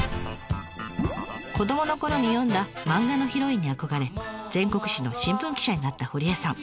子どものころに読んだ漫画のヒロインに憧れ全国紙の新聞記者になった堀江さん。